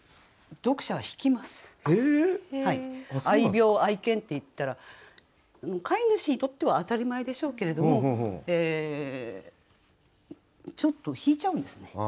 「愛猫」「愛犬」って言ったら飼い主にとっては当たり前でしょうけれどもちょっと引いちゃうんですね